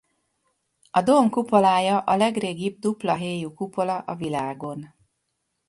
A dóm kupolája a legrégibb dupla héjú kupola a világon.